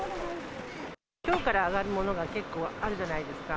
きょうから上がるものが結構あるじゃないですか。